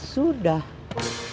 ya sudah apa kang